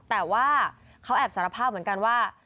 แต่ว่าเขาแอบสารภาพเหมือนกันว่า